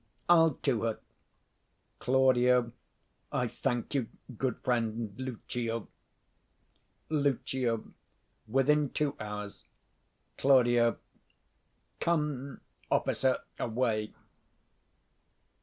I'll to her. Claud. I thank you, good friend Lucio. 185 Lucio. Within two hours. Claud. Come, officer, away!